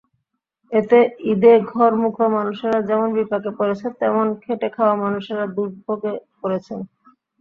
এতে ঈদে ঘরমুখো মানুষেরা যেমন বিপাকে পড়েছে, তেমন খেটে-খাওয়া মানুষেরা দুর্ভোগে পড়েছেন।